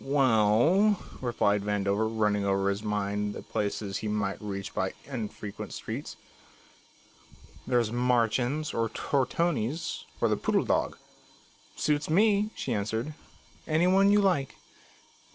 "Well," replied Vandover, running over in his mind the places he might reach by unfrequented streets. "There's Marchand's or Tortoni's or the Poodle Dog." "Suits me," she answered, "any one you like.